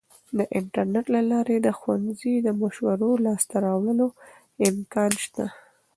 د انټرنیټ له لارې د ښوونځي د مشورو د لاسته راوړلو امکان شته.